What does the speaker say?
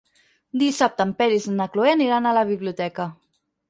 Dissabte en Peris i na Cloè aniran a la biblioteca.